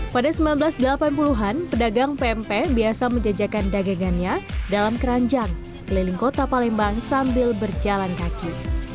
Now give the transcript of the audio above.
pada seribu sembilan ratus delapan puluh an pedagang pempek biasa menjajakan dagangannya dalam keranjang keliling kota palembang sambil berjalan kaki